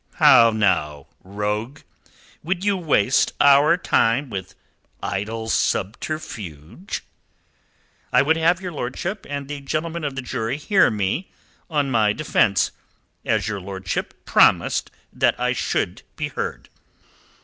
"How now, rogue? Would you waste our time with idle subterfuge?" "I would have your lordship and the gentlemen of the jury hear me on my defence, as your lordship promised that I should be heard."